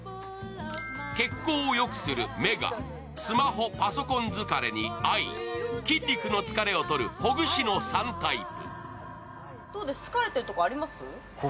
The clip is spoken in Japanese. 血行をよくするメガ、スマホ・パソコン疲れにアイ、筋肉の疲れをとるほぐしの３タイプ。